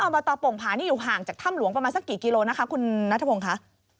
บตโป่งผานี่อยู่ห่างจากถ้ำหลวงประมาณสักกี่กิโลนะคะคุณนัทพงศ์ค่ะ